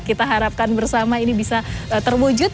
kita harapkan bersama ini bisa terwujud